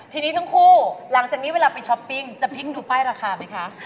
ทีนี้ทั้งคู่หลังจากนี้เวลาไปช้อปปิ้งจะพิ่งดูป้ายราคาไหมคะ